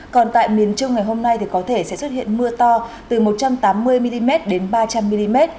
còn tại miền trung ngày hôm nay thì có thể sẽ xuất hiện mưa to từ một trăm tám mươi mm đến ba trăm linh mm